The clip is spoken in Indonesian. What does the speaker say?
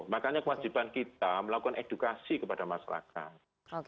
makanya kewajiban kita melakukan edukasi kepada masyarakat